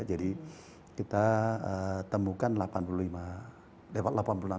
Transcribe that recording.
jadi kita temukan delapan puluh lima lewat delapan puluh enam juta